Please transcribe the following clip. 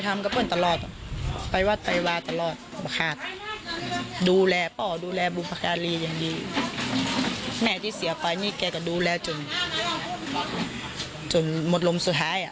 แม่ที่เสียไปนี่แกก็ดูแลจนจนหมดลมสุดท้าย